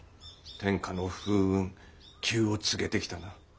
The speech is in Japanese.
天下の風雲急を告げてきたな。